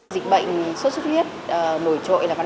dịch bệnh sốt xuất huyết mùi trội là vào năm hai nghìn một mươi bảy